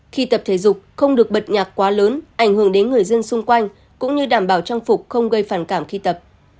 khi tập thể dục không được bật nhạc quá lớn ảnh hưởng đến người dân xung quanh cũng như đảm bảo trang phục không gây phản cảm khi tập